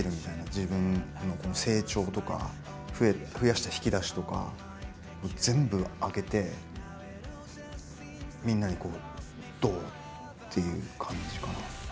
自分のこの成長とか増やした引き出しとか全部開けてみんなにこう「どう？」っていう感じかな。